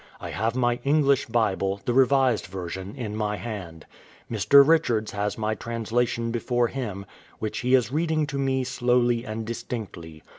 I have my English Bible, the Revised Version, in my hand; Mr. Richards has my translation before him, which he is reading to me slowly and distinctly.